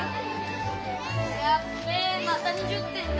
やっべまた２０点だ。